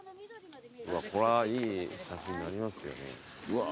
これはいい写真になりますよね。